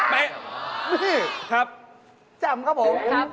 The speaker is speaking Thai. นี่แจ่มครับผม